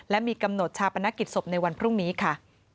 และมีกำหนดชาปนกิจศพในวันพรุ่งนี้ค่ะ